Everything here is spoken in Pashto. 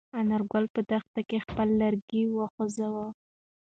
انارګل په دښته کې خپل لرګی وخوځاوه.